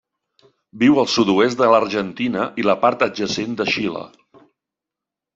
Viu al sud-oest de l'Argentina i la part adjacent de Xile.